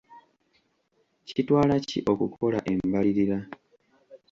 Kitwala ki okukola embalirira.